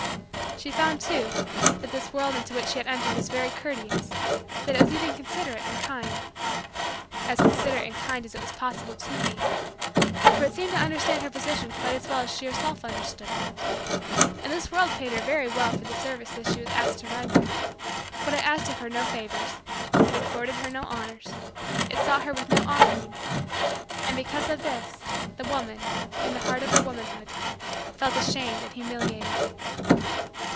She found, too, that this world into which she had entered was very courteous, that it was even considerate and kind as considerate and kind as it was possible to be for it seemed to understand her position quite as well as she herself understood it. And this world paid her very well for the services she was asked to render. But it asked of her no favors. It accorded her no honors. It sought her with no offering. And, because of this, the woman, in the heart of her womanhood, felt ashamed and humiliated.